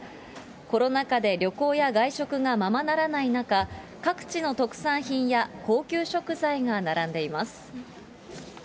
コロナ禍で旅行や外食がままならない中、各地の特産品や高級食材が並んでいます。